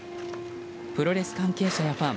プロレス関係者やファン